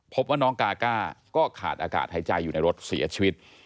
พบว่าน้องกาก้าก็ขาดอากาศหายใจอยู่ในรถเสียชีวิต